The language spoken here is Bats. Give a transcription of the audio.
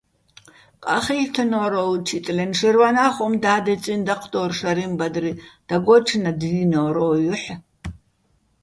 ყახითნო́რ ო უჩიტლენ, შაჲრვანა́ ხუმ და́დეწიჼ დაჴდო́რ შარიჼ ბადრი, დაგო́ჩნადჲინო́რ ო ჲოჰ̦.